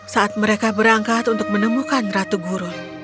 saat mereka berangkat untuk menemukan ratu gurun